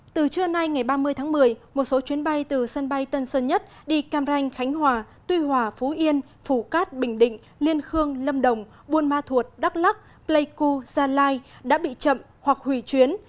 từ trưa nay ngày ba mươi tháng một mươi một số chuyến bay từ sân bay tân sơn nhất đi cam ranh khánh hòa tuy hòa phú yên phủ cát bình định liên khương lâm đồng buôn ma thuột đắk lắc pleiku gia lai đã bị chậm hoặc hủy chuyến